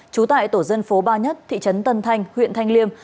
trú tại tổ dân phố ba nhất thị trấn tân thanh huyện thanh liêm